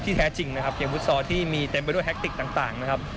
แท้จริงนะครับอย่างฟุตซอลที่มีเต็มไปด้วยแฮคติกต่างนะครับ